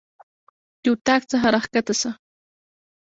د اطاق څخه راکښته سه.